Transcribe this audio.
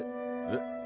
えっ？